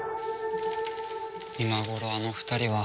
今頃あの２人は。